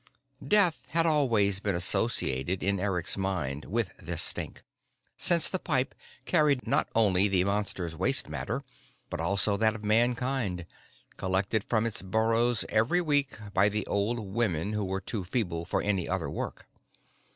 Death had always been associated in Eric's mind with this stink, since the pipe carried not only the Monster's waste matter but also that of Mankind, collected from its burrows every week by the old women who were too feeble for any other work.